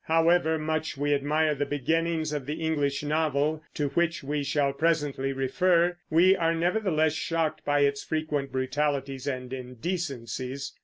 However much we admire the beginnings of the English novel, to which we shall presently refer, we are nevertheless shocked by its frequent brutalities and indecencies.